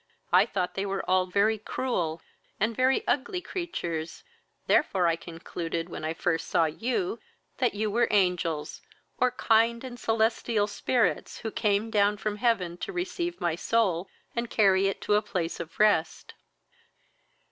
I thought they were all very cruel and very ugly creatures, therefore I concluded, when I first saw you, that you were angels, or kind and celestial spirits, who came down from heaven to receive my soul, and carry it to a place of rest."